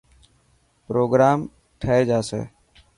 پروگرام ٺهي جاسي.